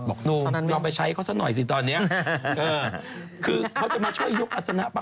หนุ่มลองไปใช้เขาสักหน่อยสิตอนนี้คือเขาจะมาช่วยยกอัศนะป่